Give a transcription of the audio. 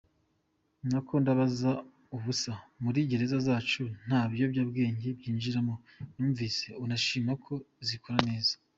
– Nako ndabaza ubusa muri gereza zacu nta biyobyabwenge byinjiramo – numvise unashima ko zikora neza.